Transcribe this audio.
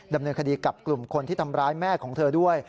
ดำเนินคดีกับกลุ่มคนที่ทำร้ายแม่ของเธอด้วย